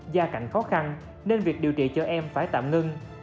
gia cảnh khó khăn nên việc điều trị cho em phải tạm ngưng